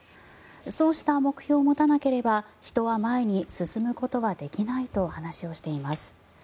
そうした目標を持たなければ人は前に進むことはできないと話をしています。